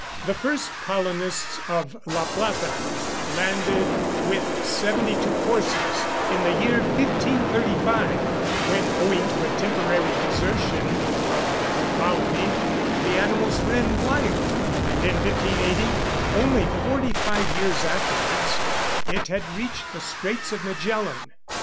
The first colonists of La Plata landed with seventy two horses, in the year 1535, when, owing to a temporary desertion of the colony, the animals ran wild; and in 1580, only forty five years afterwards, it had reached the Straits of Magellan.